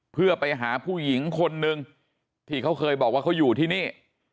เพื่อไปหาผู้หญิงคนนึงที่เขาเคยบอกว่าเขาอยู่ที่นี่